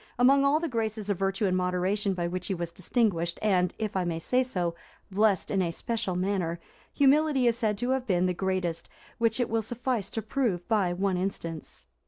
Among all the graces of virtue and moderation by which he was distinguished and, if I may say so, blessed in a special manner, humility is said to have been the greatest, which it will suffice to prove by one instance.